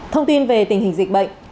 thông tin về tình hình dịch bệnh